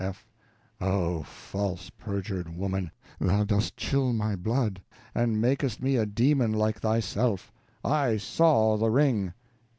F. Oh, false, perjured woman, thou didst chill my blood, and makest me a demon like thyself. I saw the ring.